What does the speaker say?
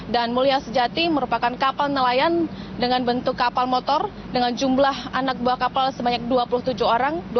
dan mulia sejati merupakan kapal nelayan dengan bentuk kapal motor dengan jumlah anak buah kapal sebanyak dua puluh tujuh orang